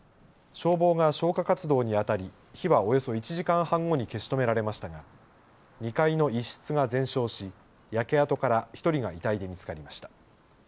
消防が消火活動にあたり火はおよそ１時間半後に消し止められましたが２階の一室が全焼し、焼け跡から１人が遺体で見つかりました。